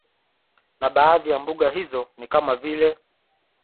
Na baadhi ya mbuga hizo ni kama vile